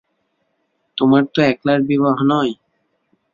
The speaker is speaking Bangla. তোমার তো একলার বিবাহ নয়।